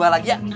dua lagi ya